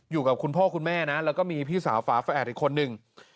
อยู่กับคุณพ่อคุณแม่นะแล้วก็มีพี่สาวฝาแฝดอีกคนนึง